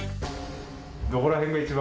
どこら辺が一番？